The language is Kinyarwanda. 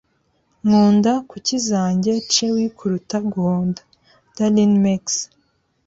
Nkunda kuki zanjye chewy kuruta guhonda. (darinmex)